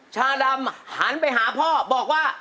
ชาดำหันไปหาพ่อบอกว่า